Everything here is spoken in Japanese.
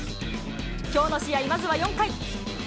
きょうの試合、まずは４回。